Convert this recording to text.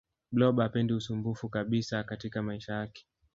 blob hapendi ususmbufu kabisa katika maisha yake